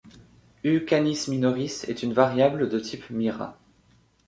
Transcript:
U Canis Minoris est une variable de type Mira.